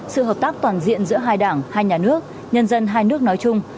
sự hợp tác toàn diện giữa hai đảng hai nhà nước nhân dân hai nước nói chung